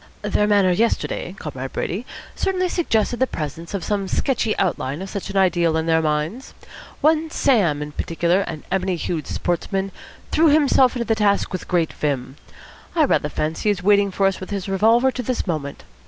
"Their manner yesterday, Comrade Brady, certainly suggested the presence of some sketchy outline of such an ideal in their minds. One Sam, in particular, an ebony hued sportsman, threw himself into the task with great vim. I rather fancy he is waiting for us with his revolver to this moment.